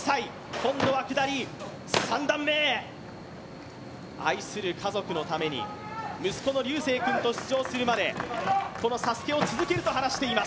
今度は下り、３段目、愛する家族のために、息子の隆晟君と出場するまでこのＳＡＳＵＫＥを続けると話しています。